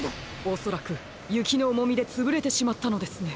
おそらくゆきのおもみでつぶれてしまったのですね。